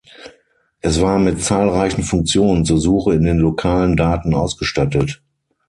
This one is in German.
Es war mit zahlreichen Funktionen zur Suche in den lokalen Daten ausgestattet.